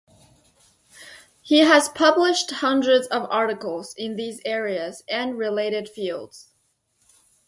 He has published hundreds of articles in these areas and related fields.